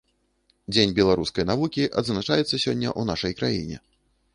Дзень беларускай навукі адзначаецца сёння ў нашай краіне.